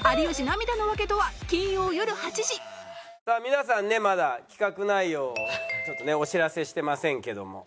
皆さんねまだ企画内容をちょっとねお知らせしてませんけども。